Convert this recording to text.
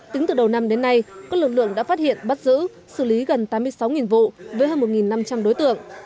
tính từ đầu năm đến nay các lực lượng đã phát hiện bắt giữ xử lý gần tám mươi sáu vụ với hơn một năm trăm linh đối tượng